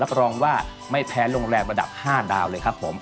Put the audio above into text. รองว่าไม่แพ้โรงแรมระดับ๕ดาวเลยครับผม